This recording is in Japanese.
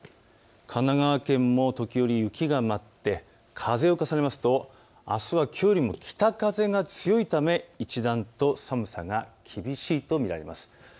神奈川県も時折、雪が舞って風を重ねますと、あすはきょうよりも北風が強いため、一段と寒さが厳しいと見られます。